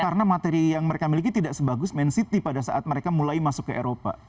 karena materi yang mereka miliki tidak sebagus man city pada saat mereka mulai masuk ke eropa